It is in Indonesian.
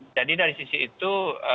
jadi dari sisi itu